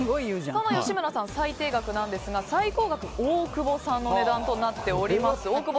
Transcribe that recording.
あれが吉村さんは最低額ですが最高額は大久保さんの値段となっております。